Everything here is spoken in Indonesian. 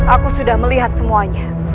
aku sudah melihat semuanya